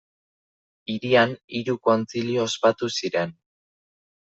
Hirian, hiru kontzilio ospatu ziren.